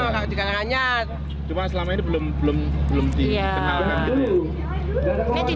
kalau di karanganyar cuma selama ini belum dikenalkan